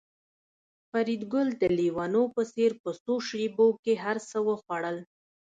فریدګل د لېونو په څېر په څو شېبو کې هرڅه وخوړل